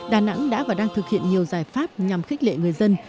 đà nẵng đã và đang thực hiện nhiều giải pháp nhằm khích lệ người dân